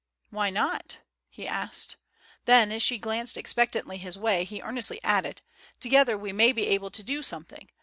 "Why not?" he asked. Then as she glanced expectantly his way, he earnestly added: "Together we may be able to do something.